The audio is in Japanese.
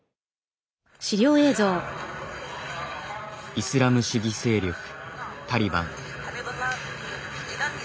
イスラム主義勢力タリバン。